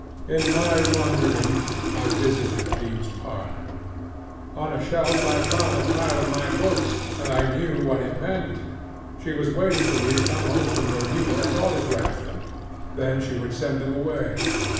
In my wanderings I visited JeanŌĆÖs parlor. On a shelf I found a pile of my books, and I knew what it meant. She was waiting for me to come home from Bermuda and autograph them, then she would send them away.